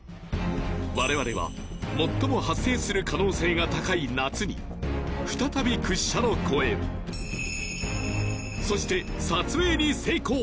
われわれは最も発生する可能性が高い夏に再び屈斜路湖へそして撮影に成功！